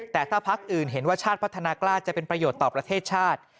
แต่ถ้าพักอื่นเห็นว่าชาติพัฒนากล้าจะเป็นประโยชน์ต่อประเทศชาติ